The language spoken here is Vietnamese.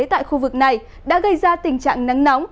tại khu vực này đã gây ra tình trạng nắng nóng